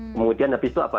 kemudian habis itu apa